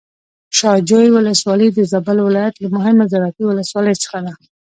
شاه جوی ولسوالي د زابل ولايت له مهمو زراعتي ولسواليو څخه ده.